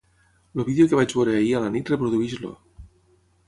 El vídeo que vaig veure ahir a la nit reprodueix-lo.